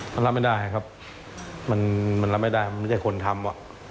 มันรับไม่ได้ครับมันรับไม่ได้มันไม่ใช่คนทำ